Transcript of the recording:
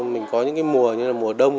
mình có những mùa như là mùa đông